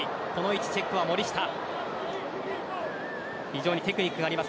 非常にテクニックがあります